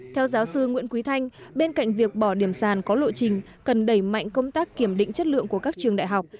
theo giáo sư nguyễn quý thanh bên cạnh việc bỏ điểm sàn có lộ trình cần đẩy mạnh công tác kiểm định chất lượng của các trường đại học